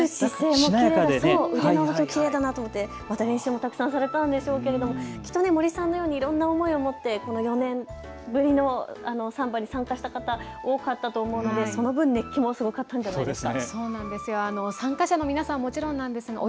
しなやかで、きれいだなと思って練習もたくさんされたと思うんですけどきっと森さんのようにいろんな思いを持って４年ぶりのサンバに参加した方多かったと思うので、その分、熱気もすごかったんじゃないですか。